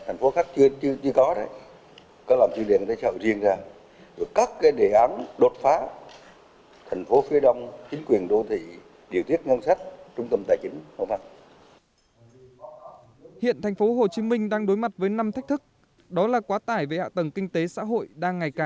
thành phố hồ chí minh cần phải có nhiều nguồn lực hơn do vị trí vị thế của thành phố hồ chí minh phát triển tốt hơn